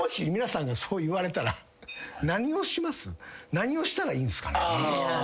何をしたらいいんすかね？